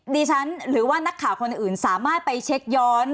ดิฉันหรือว่านักข่าวคนอื่นสามารถไปเช็คย้อน